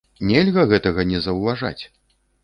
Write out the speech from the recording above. Нельга гэтага не заўважаць!